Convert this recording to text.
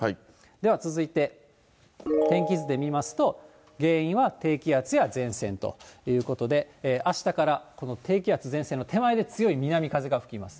では続いて、天気図で見ますと、原因は低気圧や前線ということで、あしたからこの低気圧、前線の手前で強い南風が吹きます。